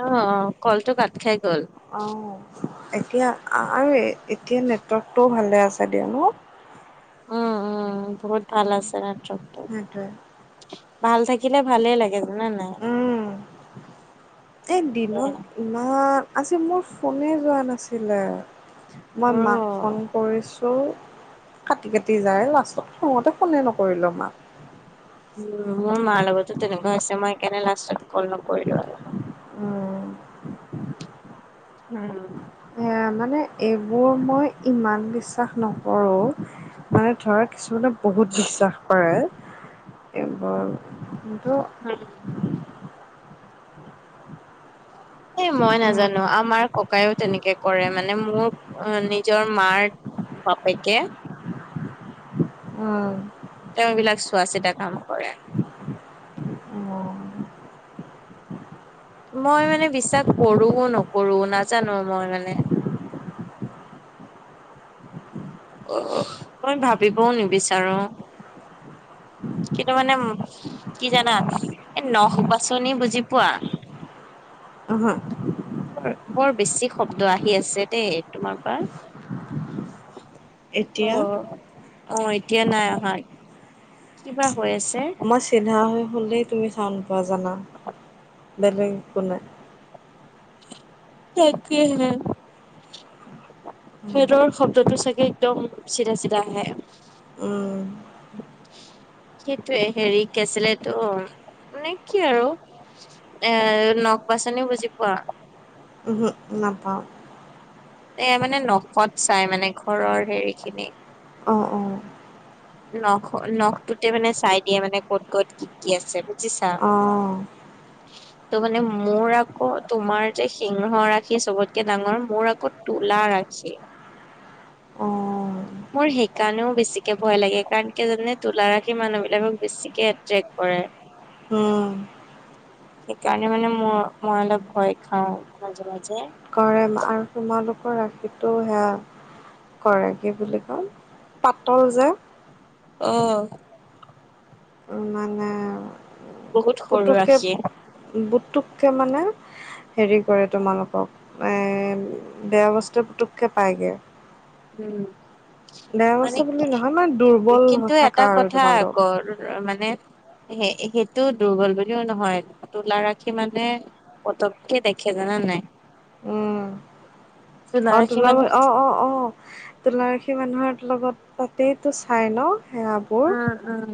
অ', অ', কলটো কাট খাই গ'ল। অঁ এতিয়া আৰু এতিয়া নেটৱৰ্কটোও ভালে আছে দিয়া ন। উম উম বহুত ভাল আছে নেটৱৰ্ক টো, সেই টোৱে। ভাল থাকিলে ভালে লাগে জানা নাই। উম, এই দিনো, বেয়া ইমান আজি মোৰ ফোনে যোৱা নাছিলে। মই মোৰো মাক ফোন কৰিছো। ত কাটি কাটি যায় লাষ্টত খংতে ফোনে নকৰিলোঁ মাক। উম মোৰ মাৰ লগতো তেনেকুৱা হৈছে মই সকাৰণে লাষ্টত কল ন কৰিলো আৰু হম, এ মানে এইবোৰ মই ইমান বিশ্বাস নকৰোঁ। মানে ধৰা কিছুমানে বহুত বিশ্বাস কৰে। এইবোৰ কিন্তু। হম, এ মই উম, নাজানো আমাৰ ক ককায়ো তেনেকে কৰে মানে মোৰ নিজৰ মাৰ বাপেকে। উম, তেওঁবিলাক চোৱা চিতা কাম কৰে। অ, মই মানে বিশ্বাস কৰো নকৰো নাজানো মই মানে। অ মই ভাবিবও নিবিচাৰো। কিন্তু মানে কি জানা এই নখ বাছনি বুজি পোৱা। [inaudible] উহু, বৰ বেছি শব্দ আহি আছে দেই তোমাৰ পৰা। অ এতিয়া অ এতিয়া নাই অহাৰ কিবা হৈ আছে। মই চিধা হৈ হ'লেই তুমি চাওন পোৱা জানা বেলেগ একো নাই। তাকে হে। ফেনৰ শব্দটো চাগে একদম চিধা চিধা আহে। উম। সেইটোৱে হেৰি কি আছিল এতো মানে কি আৰু এ নখ বাচনি বুজি পোৱা। উহু নাপাওঁ। এ মানে নখত চাই মানে ঘৰৰ হেৰি খিনি। অ', অ', নখ নখটোতে মানে চাই দিয়ে মানে ক'ত ক'ত কি কি আছে বুজিছা। অ', [inaudible] ত' মানে মোৰ আকৌ তোমাৰ যে সিংহ ৰাখি চবতকে ডাঙৰ মোৰ আকৌ। তুলা ৰাশি। অ', [inaudible] মোৰ সেই কাৰণেও বেছিকে ভয় লাগে কাৰণ কিয় জানে তুলাৰশি মানুহ বিলাকক বেছিকে এট্ৰেক্ট কৰে। উম। সেইকাৰণে মানে মই মই অলপ ভয় খাও মাজে মাজে। ম আৰু তোমালোকৰ ৰাখিটোও হেয়া কৰেগী বুলি কও পাতল যে। অ', বহুত সৰু পুতুকে ৰাখি বুটুককে মানে হেৰি কৰে তোমালোকক এ বেয়া বস্তু পুটুককে পায়গে। উম, বেয়া মানে বস্তু বুলি নহয় মানে দুৰ্বল কিন্তু এটা থাকা আৰু কথা আক। তোমালোক মানে স সেইটোও দুৰ্বল বুলিও নহয় তোলা ৰাখি মানে পতককে দেখে জানা নাই। উম। তোলা অ, ৰাখি তোলাব মানে অ', অ ', অ', তুলা ৰাশি মানুহৰ লগত তাতেইতো চাই ন সেৱাবোৰ। উম উম,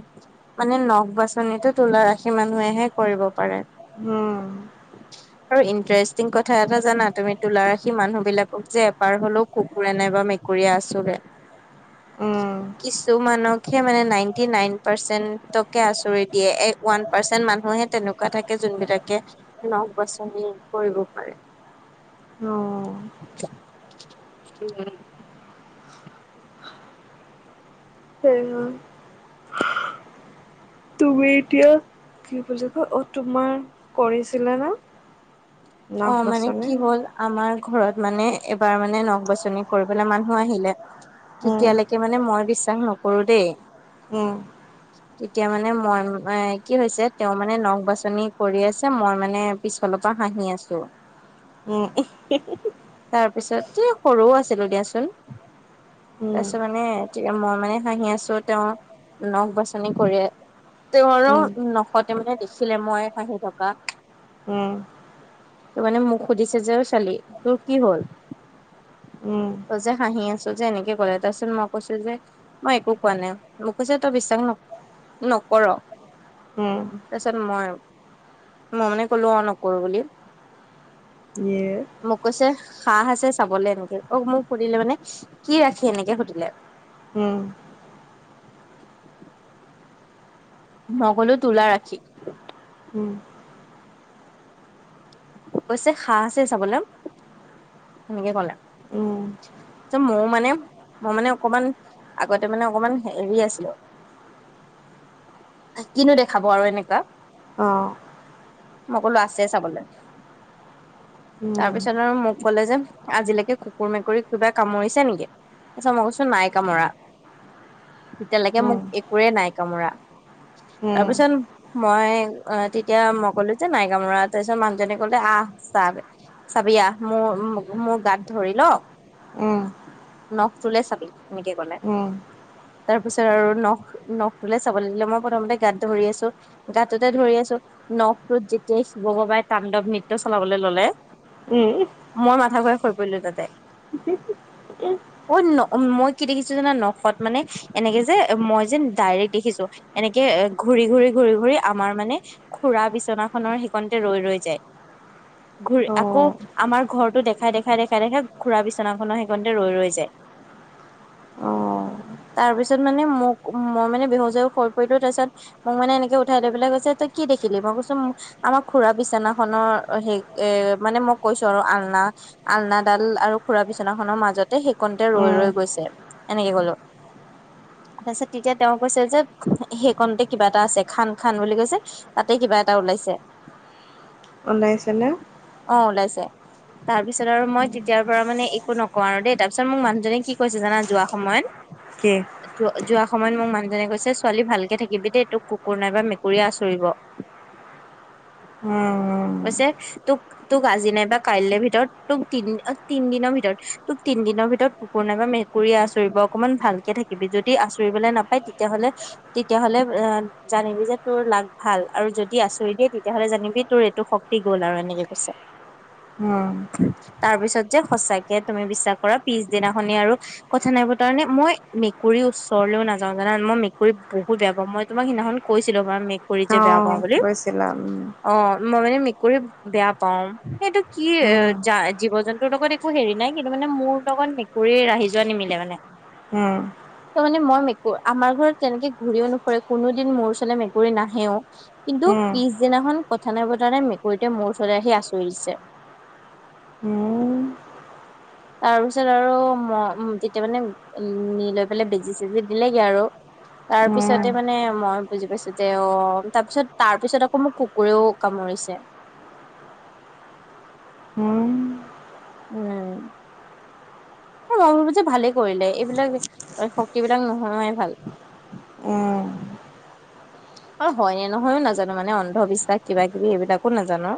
মানে নখ বাচনিটো তুলা ৰাশি মানুহেহে কৰিব পাৰে। উম, [inaudible] আৰু ইণ্টাৰেষ্টিং কথা এটা জানা তুমি তুলাৰ ৰাখি মানুহ বিলাকক যে এপাৰ হলেও কুকুৰৰে নাই বা ম কৰি আছো দে উম কিছুমানক। কে মানে নাইনটি নাইন পাৰ্চেন্টকে আচুৰি দিয়ে এক ওৱান পাৰ্চেন্ট মানুহে তেনে কা থাকে যোনবিলাকে নখ বাছনি কৰিব পাৰে। অ উম, হ [unintelligible] তুমি এতিয়া কি বুলি কয় অ তোমাৰ কৰিছিলা না। অ, মানে কি হ'ল আমাৰ ঘৰত মানে এবাৰ মানে নখ বাছনি কৰিবলৈ মানুহ আহিলে। উম তেতিয়ালৈকে মানে মই বিশ্বাস নকৰো দেই। উম তেতিয়া মানে মই এ কি হৈছে তেওঁ মানে নখ বাছনি কৰি আছে মই মানে। পিছফালৰ পৰা হাঁহি আছো। উম, তাৰপিছত এ সৰুও আছিলো দিয়াচোন। উম তাৰপিছত মানে মই মানে হাঁহি আছো। তেওঁ নখ বাছনি কৰি তেওঁ উম আৰু নখতে মানে দেখিলে মই হাঁহি থকা উম, তোৰ মানে মোক সুধিছে যে অই ছোৱালি তোৰ কি হল। উম তই যে হাঁহি আছো যে এনেকে ক'লে তাৰছত মই কৈছো যে। মই একো কোৱা নাই মোকছে তই বিশ্বাস ন নকৰ। উম, তাৰ পিছত মই মই মানে কলো অ, নকৰো বুলি। এইে। মোক কৈছে সাহ আছে চাবলে এনেকে অ, মোক সুধিলে মানে কি ৰাখি এনেকে সুধিলে। উম, নগলো তোলা ৰাখি উম, কৈছে খাঁ আছে চাবলৈ হেনেকে কলে। উম মোৰ মানে, মই মানে অকমান আগতে মানে অকমান হেৰি আছিলো। কিনো দেখাব আৰু এনেকুৱা অ', মইকলো আছে চাবলে। উম তাৰপিছত আৰু মোক ক'লে যে আজিলৈকে কুকুৰ মেকুৰীক কিবা কামুৰিছে নেকি? আচ্ছা মই কৈছো নাই কামোৰা। তেতিয়ালৈকে মোক উম একোৱেই নাই কামোৰা উম তাৰপিছত মই অ, তেতিয়া মই কলো যে নাইকামোৰা তাৰপিছত মানুহজনে কলে আহ চাহ চাবি আহ, মোৰ মোৰ গাত ধৰি লহ উম। নখ তোলে চাবি এনেকে কলে, উম তাৰ পিছত আৰু নখ নখ বোলে চাবলৈ দিলে মই প্ৰথমতে গাত ধৰি আছোঁ। গাঁটোতে ধৰি আছোঁ নখটোত যেতিয় শিৱ বাবাই তাণ্ডৱ নৃত্য চলাবলৈ ললে। উম। মই মাথা ঘূৰাই হৰি পৰিলোঁ তাতে। [unintelligible] অ ন মই কি দেখিছো জানা নখত মানে এনেকে যে মই যে ডাইৰেক্ট দেখিছোঁ। এনেকে এ ঘূৰি ঘূৰি ঘূৰি ঘূৰি আমাৰ মানে, খুৰা বিচনা খনৰ হিকণিতে ৰৈ ৰৈ যায়। ঘূৰি অ আকৌ আমাৰ ঘৰটো দেখাই দেখাই দেখাই দেখাই খুৰা বিছনাখনো হিকণিতো ৰৈ ৰৈ যায়। অ তাৰ পিছত মানে মোক মই মানে বেহুচ হৈ হৰি পৰিলো তাৰপিছত, মোক মানে এনেকে উঠাই লৈ পেলাই কৈছে তই কি দেখিলি মই কৈছো আমাৰ খুৰা বিচনাখনৰ হে এহ মানে মই কৈছোঁ আৰু আলনা, আলনাডাল আৰু খুৰা বিচনাখনৰ মাজতে সেইকণতে ৰৈ উম ৰৈ গৈছে এনেকে কলো। তাৰ পিছত তেতিয়া তেওঁ কৈছে যে সেইকণতে কিবা এটা আছে খান খান বুলি কৈছে তাতে কিবা এটা ওলাইছে। ওলাইছে নে। অ ওলাইছে তাৰ পিছত আৰু মই তেতিয়াৰ পৰা মানে একো নকৰা, নোৱাৰোঁ দেই তাৰপিছত মোক মানুহজনে কি কৈছে জানা যোৱা সময়ত। কি। যোৱা সময়ত মোক মানুহজনে কৈছে ছোৱালী ভালকে থাকিবি দেই তোক কুকুৰ নাইবা মেকুৰীয়ে আচোৰিব। [inaudible] উম কৈছে তোক তোক আজি নাইবা কাইলৈ ভিতৰত তোক তিন তিনদিনৰ ভিতৰত। তোক তিনিদিনৰ ভিতৰত কুকুৰ নাইবা মেকুৰীয়ে আচৰিব অকণমান ভালকে থাকিবি যদি আচৰিবলৈ নাপায় তেতিয়াহ'লে তেতিয়াহ'লে আহ জানিবি যে তোৰ লাক ভাল আৰু যদি আচৰি দিয়ে তেতিয়া হলে জানিবি তোৰ এইটো শপ দি গ'ল আৰু এনেকে কৈছে উম। তাৰ পিছত যে সচাকে তুমি বিশ্বাস কৰা পিছদিনাখনি আৰু কথা নাই বতৰা নাই মই মেকুৰীৰ ওচৰলৈও নাযাওঁ জানা মই মেকুৰী বহুত বেয়া পাওঁ মই তোমাক সিদিনাখন কৈছিলোঁ মানে মেকুৰী যে বেয়া অ', পাওঁ বুলি গৈছিলা উম। অহ মই মানে মেকুৰী বেয়া পাওঁ সেইটো কি উম, জীৱ জন্তুৰ লগত একো হেৰি নাই। কিন্তু মানে মোৰ লগত মেকুৰীৰ ৰাহি যোৱা নিমিলে মানে। অ, তাৰ মানে মই মেকুৰী আমাৰ ঘৰত তেনেকে ঘূৰিও নুফুৰে কোনোদিন মোৰ ওচৰলৈ মেকুৰী নাহেও। কিন্তু উম। পিছদিনাখন কথা নে বতৰা নাই মেকুৰীতে মোৰ ওচৰলৈ আহি আচৰি দিছে। উম, তাৰ পিছত আৰু মই তেতিয়া মানে নি লৈ পেলাই বেজি চেজি দিলেগে আৰু তাৰ উম, পিছতে মানে মই বুজি পাইছো, যে অ তাৰ পিছত তাৰ পিছত আকৌ মোক কু, কুকুৰেও কামুৰিছে। উওম। উম। ম ভাবো যে ভালে কৰিলে এইবিলাক শক্তি বিলাক নহোৱাই ভাল। উম। অ হয়নে নহয়ো নাজানো মানে, অন্ধবিশ্বাস কিবা কিবি এইবিলাকো নাজানো।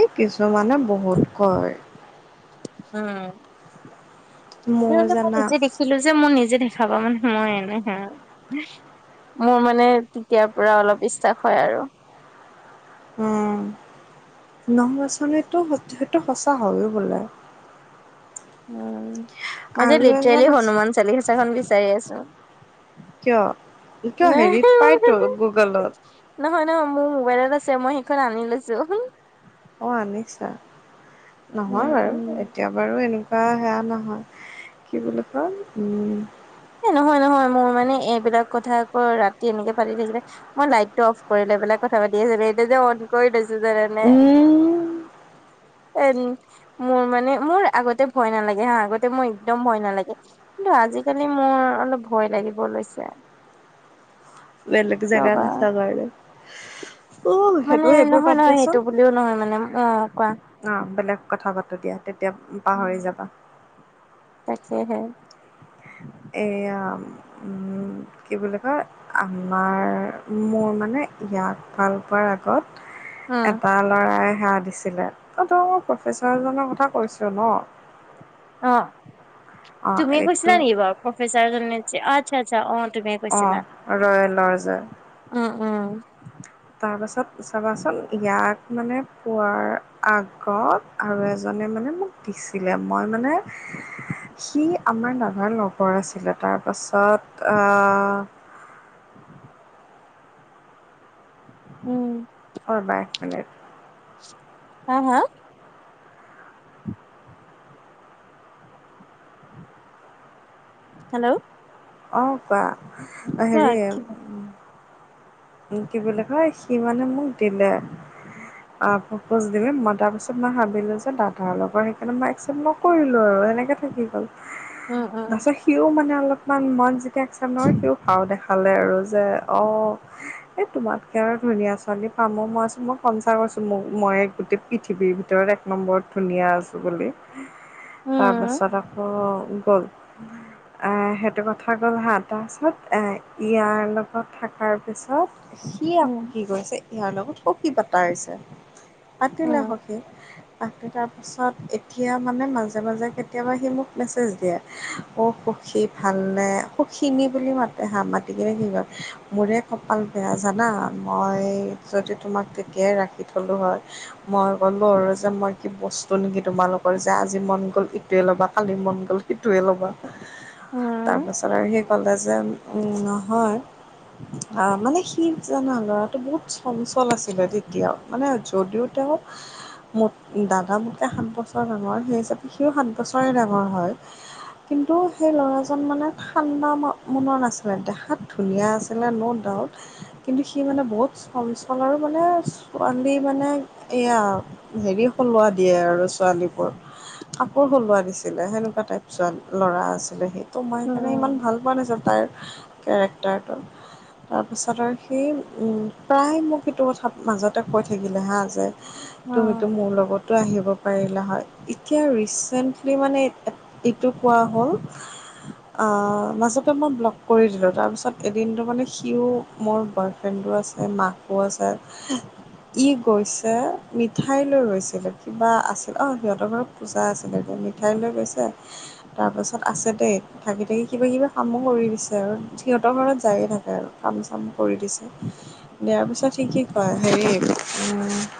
এই কিছুমানে বহুত কয়। উম মোৰ কিলে মই জানা নিজে দেখি ছিলো যে মোৰ নিজে দেখা পা মানে মই এনেহে মোৰ মানে তেতিয়াৰ পৰা অলপ বিশ্বাস হয় আৰু উম। [unintelligible] সেইটো সঁচা হয়ো বোলে। উম, মই যে আৰু এজন লিটৰেলি আছে হনুমান চালিচাখন বিচাৰি আছো। কিয়-কিয় নাই হেৰিত পাইতো গুগলত। নহয়- নহয় মোৰ মোবাইলত আছে, মই সেইখন আনি লৈছো। অ', আনিছা, উম নহয় বাৰু উম। এতিয়া বাৰু এনেকুৱা বা সেয়া নহয় কি বুলি কয়, উম এ নহয়-নহয়, মোৰ মানে এইবিলাক কথা আকৌ ৰাতি এনেকে পাতি থাকিলে মই লাইটটো অফ কৰি লৈ পেলাই কথা পাতি আছিলো, এতিয়া যে অন কৰি লৈছো জানানে। উম। [unintelligible] মোৰ মানে মোৰ আগতে ভয় নালাগে হা, আগতে মোৰ এক্দম ভয় নালাগে, কিন্তু আজিকালি মানে মোৰ অলপ ভয় লাগিব লৈছে। বেলেগ কিয় জেগা বা। নাচাবা আৰু। মানে নহয়- বাদ নহয়, দিয়াচোন সেইটো বুলিও নহয় মানে অ', কোৱা। অ', বেলেগ কথা পাতো দিয়া, তেতিয়া পাহৰি যাবা। তাকেহে। এইয়া উম, কি বুলি কয় আমাৰ মোৰ মানে ইয়াক ভাল পোৱাৰ উম আগত এটা ল'ৰাই [unintelligible] দিছ ছিলে, অ', ত' মই প্ৰফেচাৰজনৰ কথা কৈছো ন। অ', অ তুমিয়ে এইটো কৈছিলা নেকি বাৰু প্ৰফেচাৰ জনত যে অ', আচ্ছা- আচ্ছা অ', তুমি অ', ৰয়েলৰ যে। উম, উম। তাৰপাছত চাবাচোন, ইয়াক মানে পোৱাৰ আগত আৰু এজনে মানে মোক দিছিলে মই মানে [inaudible] সি আমাৰ দাদাৰ লগৰ আছিলে, তাৰ পাছত আ উম। ৰ'বা এক মিনিট। হা- হা? হেল্ল'। অ', কোৱা, কোৱা হেৰি কি উম, কি বুলি কয়, সি মানে মোক দিলে। অ', প্ৰপোজ‌ দিলে, মই তাৰপিছত মই ভাবিলো যে দাদাৰ লগৰ সেইকাৰণে মই একচেপ্ট নকৰিলো আৰু এনেকে থাকি গ'ল। উম উম তাৰপাছত সিও মানে অলপমান মন যেতিয়া এক্সেপ্ত [unintelligible] সিও ভাওঁ দেখ খালে আৰু যে অ' এ তোমাতকে আৰু ধুনীয়া ছোৱালী পাম অ', মই কৈছোঁ মই কনচা কৈছো মোক মই গোটেই পৃথিৱীৰ ভিতৰত এক নম্বৰত ধুনীয়া আছোঁ বুলি। উম তাৰপাছত আকৌ গ'ল এ এইটো কথা গ'ল হা, তাৰপাছত এ ইয়াৰ লগত থাকাৰ পিছত সি আকৌ উম কি কৰিছে, ইয়াৰ লগত সখী পাতা হৈছে। পাতিলে উম হওঁকেই [unintelligible] পাছত এতিয়া মানে মাজে-মাজে কেতিয়াবা সি মোক মেছেজ দিয়ে, অ', সখী ভাল নে সখীনী বুলি মাতে হা, মাতি কিনে কি কই মোৰে কপাল বেয়া জানা, মই যদি তোমাক তেতিয়াই ৰাখি থ'লো হয় মই ক'লো আৰু যে মই কি বস্তু নেকি তোমালোকৰ যে আজি মন গ'ল ইটোৱে ল'বা কালি মন গ'ল ইটোৱে ল'বা। উম। তাৰপাছত আৰু সি ক'লে যে, উম, নহয় আহ মানে সি জানা লৰাটো বহুত চঞ্চল আছিলে তেতিয়াও মানে যদিও তেওঁ মো দাদা মোতকে সাত বছৰ ডাঙৰ সেই হিচাপে সিও সাত বছৰে ডাঙৰ হয় কিন্তু সেই ল'ৰা জন মানে ঠাণ্ডা মনত নাছিলে দেখাত ধুনীয়া আছিলে ন' ডাউট কিন্তু সি মানে বহুত চঞ্চল আৰু মানে ছোৱালী মানে এয়া হেৰি সলোৱা দিয়ে আৰু ছোৱালীবোৰ কাপোৰ সলোৱা দিছিলে সেনেকুৱা টাইপচৰ ল'ৰা আছিলে সি ত' মই সেইকাৰণে ইমান উম ভাল পোৱা নাছিলোঁ তাইৰ কেৰেক্টাৰটো তাৰপাছত আৰু সেই প্ৰায় মোক সেইটো কথা মাজতে কৈ থাকিলে হাঁ যে উম তুমিতো মোৰ লগত আহিব পাৰিলা হয় এতিয়া ৰিচেণ্টলি মানে এইটো কোৱা হ'ল মাজতে মই ব্লগ কৰি দিলোঁ তাৰপিছত এদিনটো মানে সিও মোৰ বয় ফ্ৰেণ্ডো আছে মাকো আছে ই গৈছে মিঠাই লৈ ৰৈছিলে কিবা আছিল অ সিহঁতৰ ঘৰত পূজা আছিলে মিঠাই লৈ গৈছে তাৰপাছত আছে দেই থাকি থাকি কিবা কিবি কামো কৰি দিছে আৰু সিহঁতৰ ঘৰত যায়ে থাকে আৰু কাম চাম কৰি দিছে দিয়াৰ পিছত সি কি কয় হেৰি উ